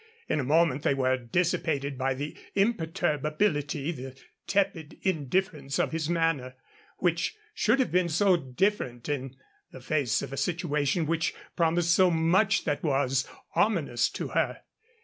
In a moment they were dissipated by the imperturbability, the tepid indifference of his manner, which should have been so different in the face of a situation which promised so much that was ominous to her.